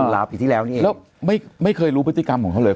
รับปีที่แล้วนี่เองแล้วไม่เคยรู้พฤติกรรมของเขาเลย